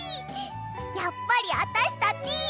やっぱりあたしたち。